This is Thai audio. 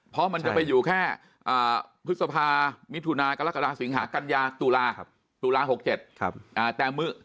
เพราะมันจะไปอยู่แค่พฤษภามิถุนากรกฎาสิงหากัญญาตุลาตุลา๖๗แต่มือ